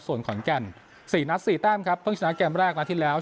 ส่วนขอนแก่น๔นัด๔แต้มครับเพิ่งชนะเกมแรกนัดที่แล้ว